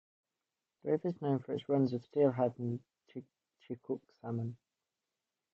The river is known for its runs of Steelhead and Chinook salmon.